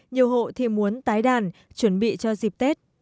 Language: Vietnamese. nhiều hộ thì muốn tái đàn chuẩn bị cho dịp tết